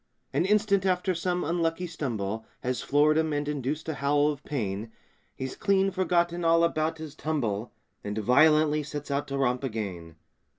An instant after some unlucky stumble Has floored him and induced a howl of pain, He's clean forgotten all about his tumble And violently sets out to romp again.